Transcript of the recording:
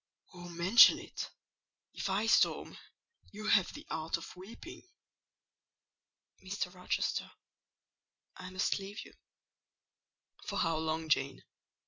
"Oh, mention it! If I storm, you have the art of weeping." "Mr. Rochester, I must leave you." "For how long, Jane?